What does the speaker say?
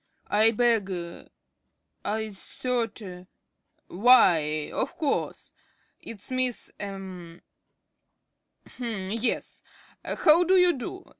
~ I beg I thought why, of course! It's Miss er h'm, yes. How do you do?